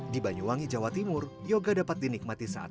di banyuwangi jawa timur yoga dapat dinikmati saat ini